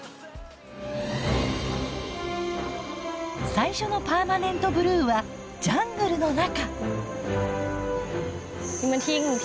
最初のパーマネントブルーはジャングルの中！